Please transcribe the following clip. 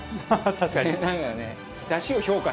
確かに。